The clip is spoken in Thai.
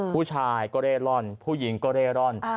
ผู้ชายก็เร่ร่อนผู้หญิงก็เร่ร่อน